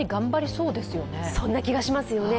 そんな気がしますよね。